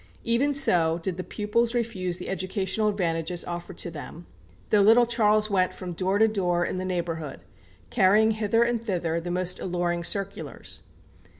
Even so did the pupils refuse the educational advantages offered to them, though little Charles went from door to door in the neighbourhood, carrying hither and thither the most alluring circulars.